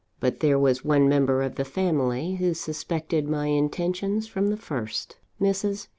"But there was one member of the family who suspected my intentions from the first. Mrs.